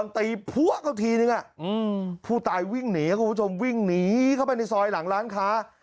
ตีพลังก็ทีพูดไอ้วิ่งี่หนีวิ่งหีกออกไปในซอยหลังล้านคลา